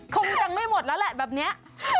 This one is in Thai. คงยังไม่หมดแล้วแหละแบบนี้